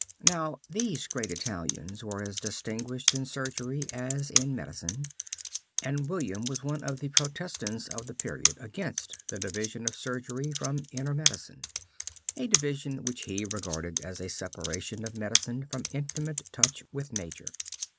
Now these great Italians were as distinguished in surgery as in medicine, and William was one of the protestants of the period against the division of surgery from inner medicine; a division which he regarded as a separation of medicine from intimate touch with nature.